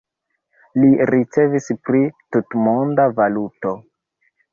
Li revis pri tutmonda valuto.